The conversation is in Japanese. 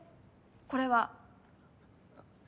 これは？